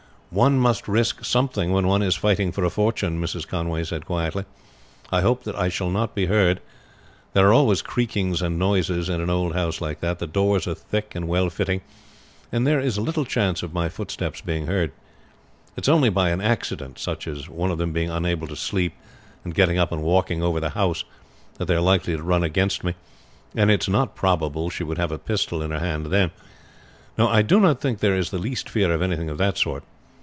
"One must risk something when one is fighting for a fortune," Mrs. Conway said quietly. "I hope that I shall not be heard. There are always creakings and noises in an old house like that. The doors are thick and well fitting, and there is little chance of my footsteps being heard. It is only by an accident, such as one of them being unable to sleep and getting up and walking over the house, that they are likely to run against me, and it is not probable she would have a pistol in her hand then. No, I do not think there is the least fear of anything of that sort.